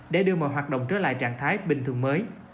để đưa mọi hoạt động trở lại trạng thái bình thường mới